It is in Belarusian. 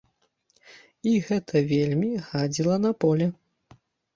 І гэта вельмі гадзіла на поле.